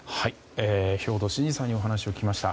兵頭慎治さんにお話を聞きました。